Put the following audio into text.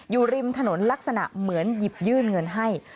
อยู่ริมถนนลักษณะเหมือนหยิบยื่นเงินให้